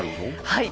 はい。